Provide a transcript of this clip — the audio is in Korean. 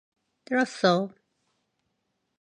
들었어?